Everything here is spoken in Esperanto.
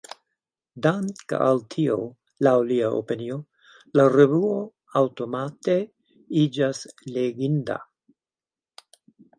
Dank’ al tio, laŭ lia opinio, la revuo aŭtomate iĝas “leginda”.